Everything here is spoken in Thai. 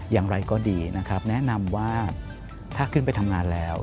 อย่างไรก็ดีนะครับแนะนำว่าถ้าขึ้นไปทำงานแล้ว